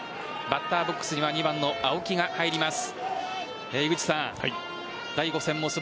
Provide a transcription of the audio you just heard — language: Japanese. バッターボックスには２番の青木が入ります。